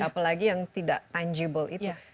apalagi yang tidak tangible itu